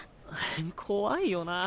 怖いよな！